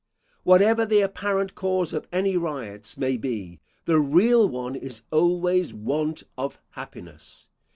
Whatever the apparent cause of any riots may be, the real one is always want of happiness.